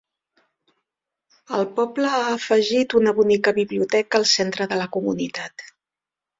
El poble ha afegit una bonica biblioteca al centre de la comunitat.